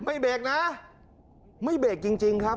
ไม่เบรกนะไม่เบรกจริงครับ